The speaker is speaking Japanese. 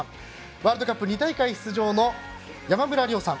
ワールドカップ２大会出場の山村亮さん